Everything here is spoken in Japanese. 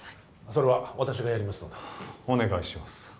それは私がやりますのでお願いします